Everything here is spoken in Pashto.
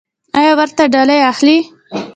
ایا ورته ډالۍ اخلئ؟